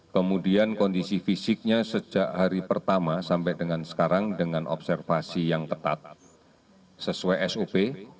kemudian kondisi fisiknya sejak hari pertama sampai dengan sekarang dengan observasi yang ketat sesuai sop